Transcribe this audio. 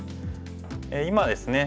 今ですね